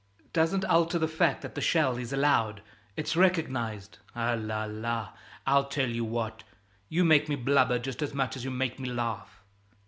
'" "Doesn't alter the fact that the shell is allowed, it's recognized " "Ah, la, la! I'll tell you what you make me blubber just as much as you make me laugh!"